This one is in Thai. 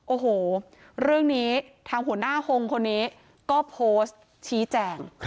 โอ้โหเรื่องนี้ทางหัวหน้าฮงคนนี้ก็โพสต์ชี้แจง